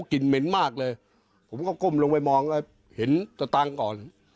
กลิ่นเหม็นมากเลยผมก็ก้มลงไปมองเห็นสตางค์ก่อน